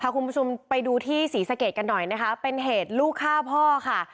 คุณผู้ชมไปดูที่ศรีสะเกดกันหน่อยนะคะเป็นเหตุลูกฆ่าพ่อค่ะ